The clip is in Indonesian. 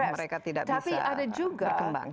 mereka tidak bisa berkembang